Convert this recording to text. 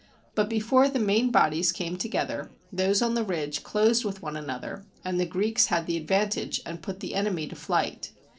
But before the main bodies came together, those on the ridge closed with one another, and the Greeks had the advantage, and put the enemy to flight.